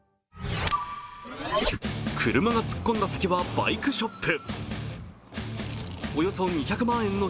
車が突っ込んだ先はバイクショップ。